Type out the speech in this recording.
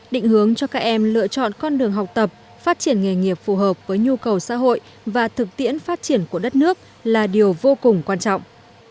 định hướng cho các em lựa chọn con đường học tập phát triển nghề nghiệp phù hợp với nhu cầu xã hội và thực tiễn phát triển của đất nước là điều vô cùng quan trọng